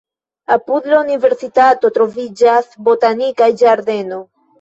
Apud la universitato troviĝas botanika ĝardeno.